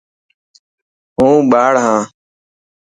هون ٻاڙ هان.